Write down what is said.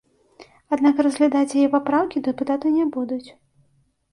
Аднак разглядаць яе папраўкі дэпутаты не будуць.